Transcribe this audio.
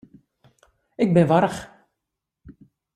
Ik bin warch.